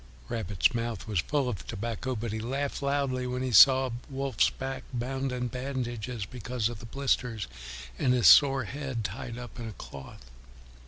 Rabbit's mouth was full of tobacco, but he laughed loudly when he saw Wolf's back bound in bandages because of the blisters, and his sore head tied up in a cloth.